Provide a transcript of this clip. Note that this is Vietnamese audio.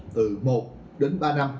từ một đến ba năm